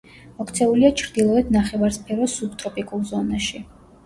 მოქცეულია ჩრდილოეთ ნახევარსფეროს სუბტროპიკულ ზონაში.